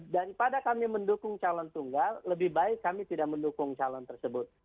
daripada kami mendukung calon tunggal lebih baik kami tidak mendukung calon tersebut